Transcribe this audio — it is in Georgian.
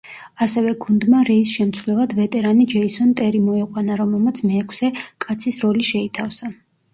ასევე გუნდმა რეის შემცვლელად ვეტერანი ჯეისონ ტერი მოიყვანა, რომელმაც მეექვსე კაცის როლი შეითავსა.